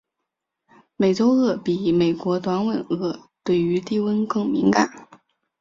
美洲鳄比美国短吻鳄对于低温更敏感。